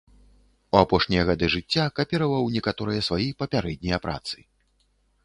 У апошнія гады жыцця капіраваў некаторыя свае папярэднія працы.